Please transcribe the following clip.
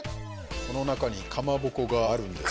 この中にかまぼこがあるんです。